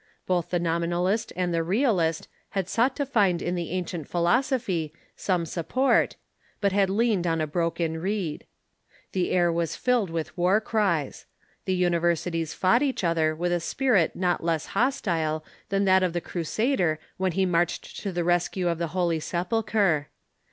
Both the Nominalist and the Realist had sought to find in the ancient philosophy some Decline of support, but had leaned on a broken reed. The air Scholasticism ^^'..~,...„, was filled with Avar cnes. Ihe iiniversities fought each other with a spirit not less hostile than that of the Crusader when he marched to the rescue of the Holy Sepul chre.